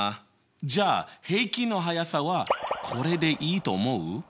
じゃあ平均の速さはこれでいいと思う？